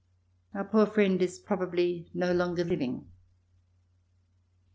Our poor friend is probably no longer living.